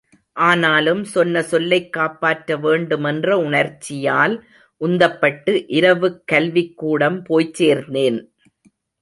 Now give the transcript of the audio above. ஆனாலும் சொன்ன சொல்லைக் காப்பாற்ற வேண்டுமென்ற உண்ர்ச்சியால் உந்தப்பட்டு இரவுக் கல்விக்கூடம் போய்ச் சேர்ந்தேன்.